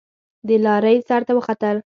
د لارۍ سر ته وختل.